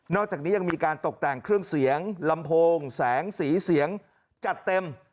อกจากนี้ยังมีการตกแต่งเครื่องเสียงลำโพงแสงสีเสียงจัดเต็ม